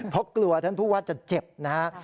เพราะกลัวท่านผู้ว่าจะเจ็บนะฮะ